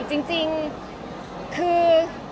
แต่จริงคือ